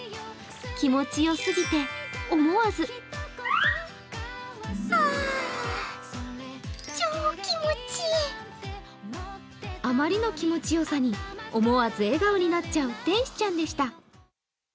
気持ちよすぎて思わずあまりの気持ちよさに思わず笑顔になっちゃう天使ちゃんでした。